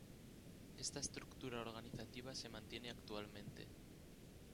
Esta estructura organizativa se mantiene actualmente.